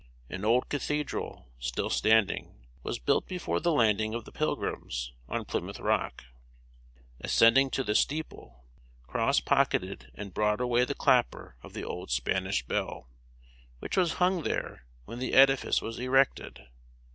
An old cathedral, still standing, was built before the landing of the Pilgrims on Plymouth Rock. Ascending to the steeple, Cross pocketed and brought away the clapper of the old Spanish bell, which was hung there when the edifice was erected.